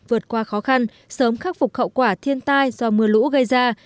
vượt qua khó khăn sớm khắc phục khẩu quả thiên tai do mưa lũ gây ra